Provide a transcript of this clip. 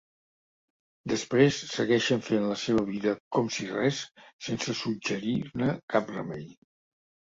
Després segueixen fent la seva vida com si res sense suggerir-ne cap remei.